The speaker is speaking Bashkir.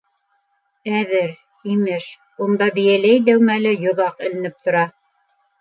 - Әҙер, имеш, унда бейәләй дәүмәле йоҙаҡ эленеп тора.